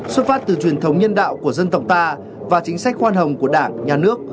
xuất phát từ truyền thống nhân đạo của dân tộc ta và chính sách khoan hồng của đảng nhà nước